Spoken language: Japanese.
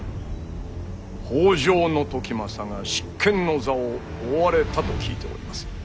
北条時政が執権の座を追われたと聞いております。